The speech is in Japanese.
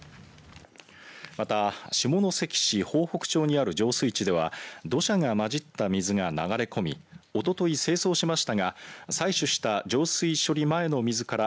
また、下関市豊北町にある浄水池では土砂が混じった水が流れ込みおととい清掃しましたが採取した浄水処理前の水から